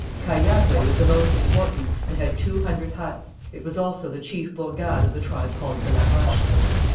Cahiagué was the most important, and had two hundred huts; it was also the chief bourgade of the tribe called de la Roche.